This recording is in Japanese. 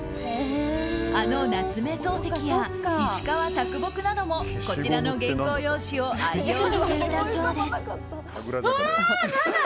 あの夏目漱石や石川啄木などもこちらの原稿用紙を愛用していたそうです。